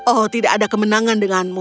oh tidak ada kemenangan denganmu